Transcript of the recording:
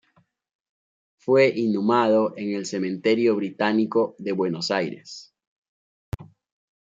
Fue inhumado en el Cementerio Británico de Buenos Aires.